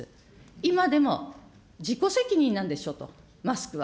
今でも自己責任なんでしょと、マスクは。